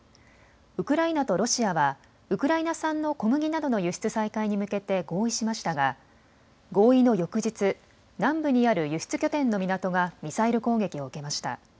ウクライナとロシアはウクライナ産の小麦などの輸出再開に向けて合意しましたが合意の翌日、南部にある輸出拠点の港がミサイル攻撃を受けました。